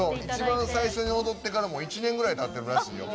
一番最初に踊ってから１年ぐらいたってるらしいよ。